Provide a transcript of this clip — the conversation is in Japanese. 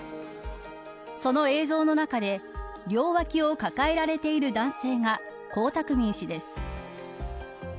その映像の中で両脇を抱えられている男性が江沢民氏です。